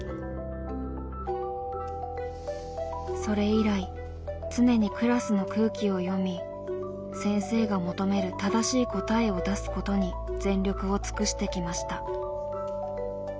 それ以来常にクラスの空気を読み先生が求める「正しい答え」を出すことに全力を尽くしてきました。